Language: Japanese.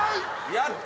やった！